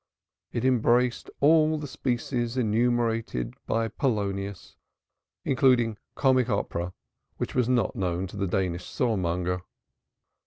It embraced all the species enumerated by Polonius, including comic opera, which was not known to the Danish saw monger.